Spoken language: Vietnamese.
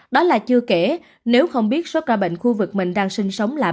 đó là chưa kể nếu không biết số ca bệnh khu vực mình đang sinh sống là bệnh